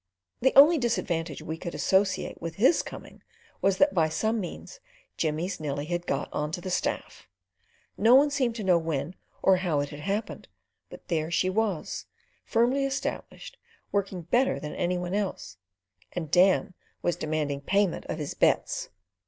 The only disadvantage we could associate with his coming was that by some means Jimmy's Nellie had got on to the staff. No one seemed to know when or how it had happened, but she was there, firmly established working better than any one else, and Dan was demanding payment of his bets.